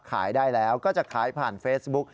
ขายได้แล้วก็จะขายผ่านเฟซบุ๊ก